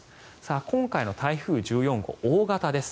今回の台風１４号、大型です。